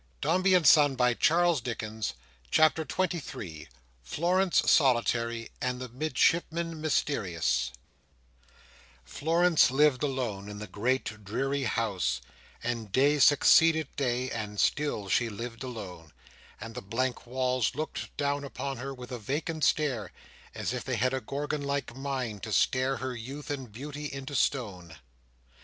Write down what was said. You have a good scent, Di,—cats, boy, cats! CHAPTER XXIII. Florence solitary, and the Midshipman mysterious Florence lived alone in the great dreary house, and day succeeded day, and still she lived alone; and the blank walls looked down upon her with a vacant stare, as if they had a Gorgon like mind to stare her youth and beauty into stone.